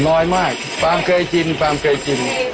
น้อยมากความเคยกินความเคยกิน